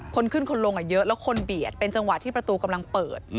คนขึ้นคนลงเยอะแล้วคนเบียดเป็นจังหวะที่ประตูกำลังเปิด